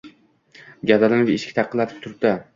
gavdalanib, «eshik taqillatib» turibdi.